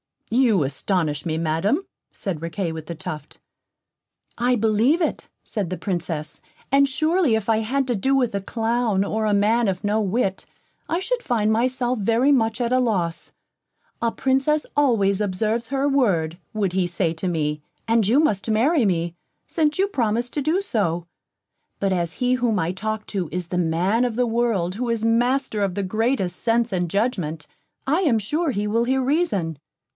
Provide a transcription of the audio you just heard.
"You astonish me, Madam," said Riquet with the Tuft. "I believe it," said the Princess, "and surely if I had to do with a clown, or a man of no wit, I should find myself very much at a loss. 'A Princess always observes her word,' would he say to me, 'and you must marry me, since you promised to do so.' But as he whom I talk to is the man of the world who is master of the greatest sense and judgment, I am sure he will hear reason.